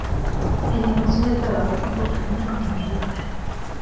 El negocio del tabaco es un importante en la economía local.